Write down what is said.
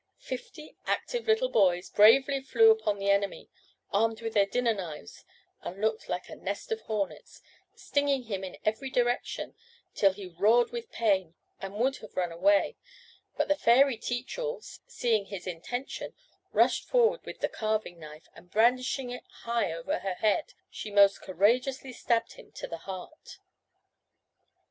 Fifty active little boys bravely flew upon the enemy, armed with their dinner knives, and looked like a nest of hornets, stinging him in every direction, till he roared with pain, and would have run away; but the fairy Teach all, seeing his intention, rushed forward with the carving knife, and brandishing it high over her head, she most courageously stabbed him to the heart.